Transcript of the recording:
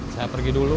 saya pergi dulu